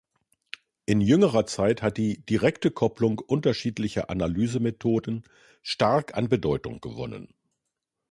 In jüngere Zeit hat die direkte Kopplung unterschiedlicher Analysemethoden stark an Bedeutung gewonnen.